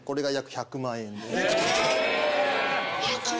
１００万円。